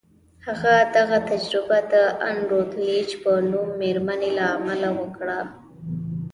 هغه دغه تجربه د ان روتلیج په نوم مېرمنې له امله وکړه